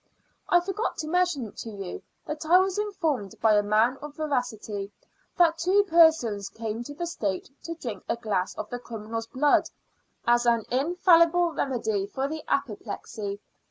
I forgot to mention to you, that I was informed, by a man of veracity, that two persons came to the stake to drink a glass of the criminal's blood, as an infallible remedy for the apoplexy.